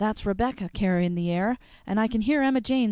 "That's Rebecca carrying the air, and I can hear Emma Jane's alto."